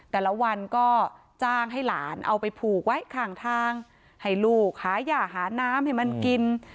แต่ละวันก็จ้างให้หลานเอาไปผูกไว้ข้างทางให้ลูกหาย่าหาน้ำให้มันกิน